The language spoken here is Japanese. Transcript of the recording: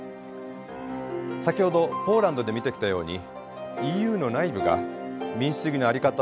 先ほどポーランドで見てきたようにＥＵの内部が民主主義の在り方を巡って揺らぐ中